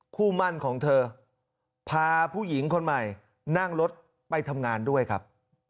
คู่มั่นของเธอพาผู้หญิงคนใหม่นั่งรถไปทำงานด้วยครับ